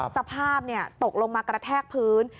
สภาพตกลงมากระแทกพื้น